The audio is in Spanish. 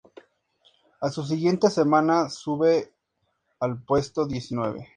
A su siguiente semana sube al puesto diecinueve.